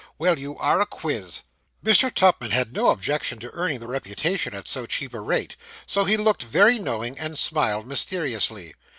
Well, you are a quiz!' Mr. Tupman had no objection to earning the reputation at so cheap a rate: so he looked very knowing, and smiled mysteriously.